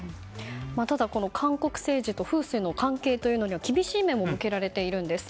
ただ、韓国政治と風水の関係には厳しい目も向けられているんです。